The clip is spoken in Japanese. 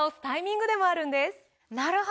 なるほど！